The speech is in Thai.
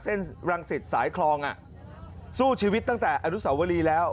รังสิตสายคลองอ่ะสู้ชีวิตตั้งแต่อนุสาวรีแล้ว